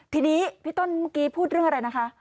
ทีนี้พี่ต้นเมื่อกี้พูดเรื่องอะไรนะคะ